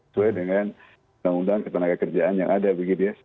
sesuai dengan undang undang ketenaga kerjaan yang ada begitu ya